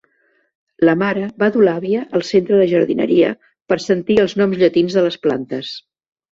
La mare va dur l'àvia al centre de jardineria per sentir els noms llatins de les plantes.